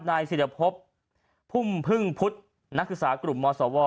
นายศิรพบพุ่มพึ่งพุทธนักศึกษากลุ่มมศว